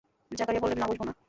জাকারিয়া বললেন, না বসব না।